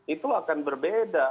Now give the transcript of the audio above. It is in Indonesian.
itu akan berbeda